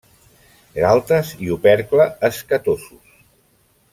Galtes i opercle escatosos.